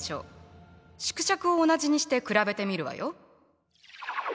縮尺を同じにして比べてみるわよ。